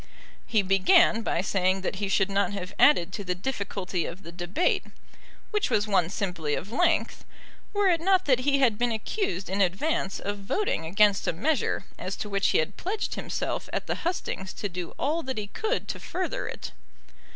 He began by saying that he should not have added to the difficulty of the debate, which was one simply of length, were it not that he had been accused in advance of voting against a measure as to which he had pledged himself at the hustings to do all that he could to further it.